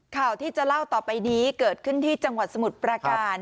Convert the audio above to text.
ข่าวที่จะเล่าต่อไปนี้เกิดขึ้นที่จังหวัดสมุทรประการ